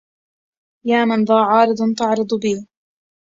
يا من إذا عارض تعرض بي